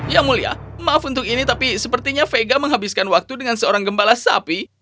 yang mulia maaf untuk ini tapi sepertinya vega menghabiskan waktu dengan seorang gembala sapi